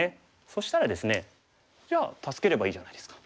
そしたらですねじゃあ助ければいいじゃないですか。